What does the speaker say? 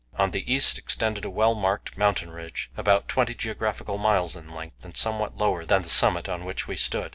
On the east extended a well marked mountain ridge, about twenty geographical miles in length, and somewhat lower than the summit on which we stood.